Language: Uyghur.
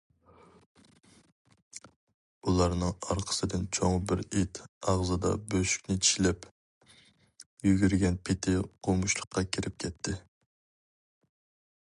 ئۇلارنىڭ ئارقىسىدىن چوڭ بىر ئىت ئاغزىدا بۆشۈكنى چىشلەپ، يۈگۈرگەن پېتى قومۇشلۇققا كىرىپ كەتتى.